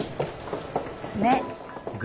ねっ。